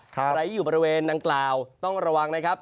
ใครอยู่บริเวณดังกล่าวต้องระวังนะครับ